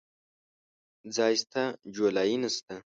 ځاى سته ، جولايې نسته.